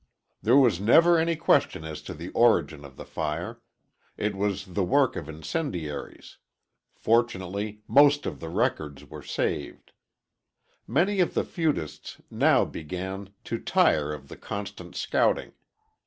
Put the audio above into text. There was never any question as to the origin of the fire. It was the work of incendiaries. Fortunately, most of the records were saved. Many of the feudists now began to tire of the constant scouting.